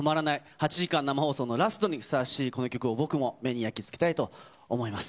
８時間生放送のラストにふさわしいこの曲を僕も目に焼き付けたいと思います。